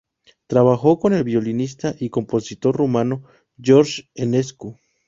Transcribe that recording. Trabajó con el violinista y compositor rumano George Enescu.